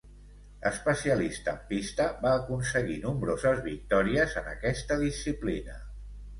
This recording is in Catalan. Especialista en pista, va aconseguir nombroses victòries en aquesta disciplina.